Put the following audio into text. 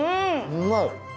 うまい！